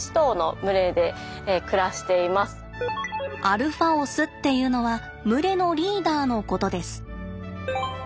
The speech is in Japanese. アルファオスっていうのは群れのリーダーのことです。